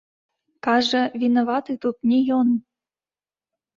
Кажа, вінаваты тут не ён.